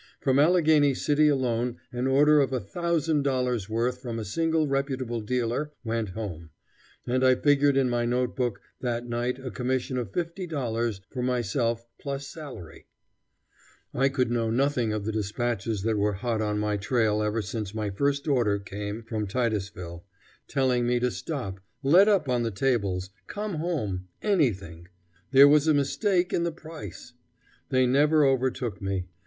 From Allegheny City alone an order of a thousand dollars' worth from a single reputable dealer went home, and I figured in my note book that night a commission of $50 for myself plus my salary. [Illustration: "One end of the town was burning while I was canvassing the other"] I could know nothing of the despatches that were hot on my trail ever since my first order came from Titusville, telling me to stop, let up on the tables, come home, anything; there was a mistake in the price. They never overtook me.